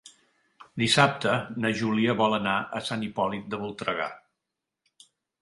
Dissabte na Júlia vol anar a Sant Hipòlit de Voltregà.